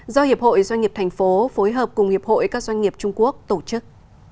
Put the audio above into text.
do hiệp hội doanh nghiệp thành phố phối hợp cùng hiệp hội các doanh nghiệp trung quốc tổ chức